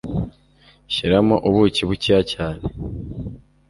Shyiramo ubuki bukeya cyane